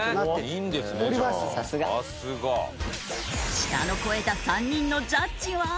舌の肥えた３人のジャッジは！？